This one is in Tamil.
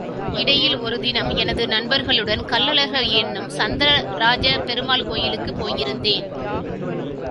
இடையில் ஒரு தினம், எனது நண்பர்களுடன் கள்ளழகர் எனும் சௌந்தரராஜப் பெருமாள் கோயிலுக்குப் போயிருந்தேன்.